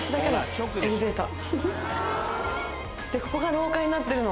ここが廊下になってるの。